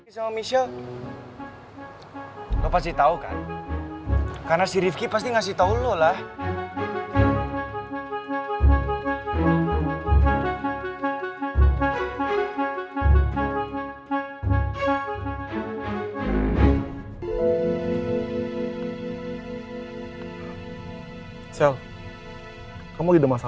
sampai jumpa di video selanjutnya